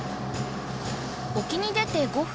沖に出て５分。